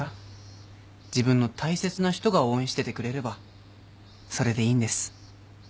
自分の大切な人が応援しててくれればそれでいいんです。